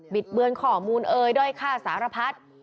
ิดเบือนข้อมูลเอ่ยด้อยค่าสารพัด